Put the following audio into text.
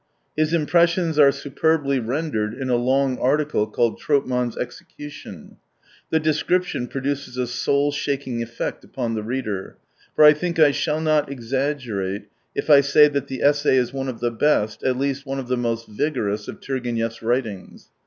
His impressions are superbly rendered in a long article called " Tropman's Execution." The description produces a soul shaking effect upon the reader ; for I think I shall not exaggerate if I say that the essay is one of the best, at least one of the most vigorous of Turgenev's writings.